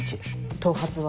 頭髪は。